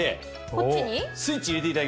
こっち側。